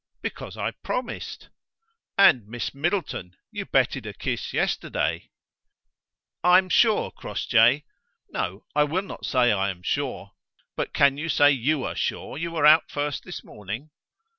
"Because I promised." "And, Miss Middleton, you betted a kiss yesterday." "I am sure, Crossjay no, I will not say I am sure: but can you say you are sure you were out first this morning?